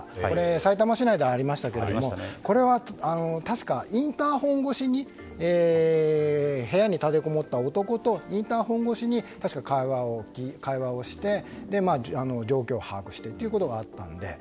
さいたま市内でありましたがこれは確か部屋に立てこもった男とインターホン越しに会話をして状況を把握してということがあったので。